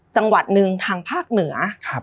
จังหวัดหนึ่งทางภาคเหนือ